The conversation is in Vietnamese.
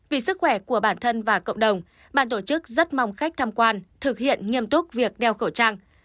vì sức khỏe của bản thân và cộng đồng bàn tổ chức rất mong khách tham quan thực hiện nghiêm túc việc đeo khẩu trang